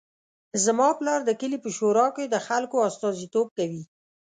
زما پلار د کلي په شورا کې د خلکو استازیتوب کوي